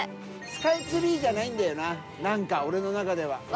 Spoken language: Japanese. スカイツリーじゃないんだよな何か俺の中では。